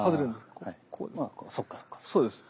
こうです。